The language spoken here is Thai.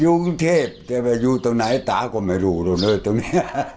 อยู่กรุงเทพแต่ว่าอยู่ตรงไหนตาก็ไม่รู้แล้วนะตรงนี้